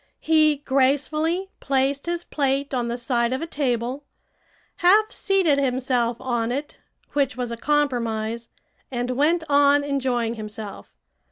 He gracefully placed his plate on the side of a table, half seated himself on it, which was a compromise, and went on enjoying himself.